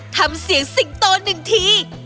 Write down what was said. ทำเสียงสิงโตหนึ่งที